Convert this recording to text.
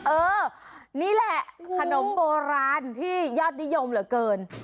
เออนี่แหละขนมโบราณที่ยอดนิยมเหลือเกิน